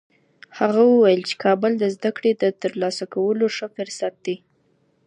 هغه وویل چي کابل د زده کړې د ترلاسه کولو ښه فرصت دی.